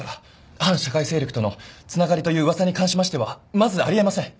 反社会勢力とのつながりという噂に関しましてはまずあり得ません。